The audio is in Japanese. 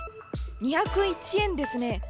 ２０１円ですね。